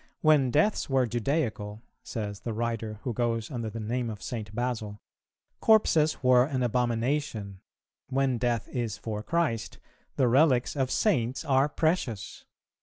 "When deaths were Judaical," says the writer who goes under the name of St. Basil, "corpses were an abomination; when death is for Christ, the relics of Saints are precious.